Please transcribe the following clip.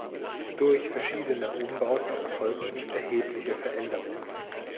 Durch verschiedene Umbauten erfolgten erhebliche Veränderungen.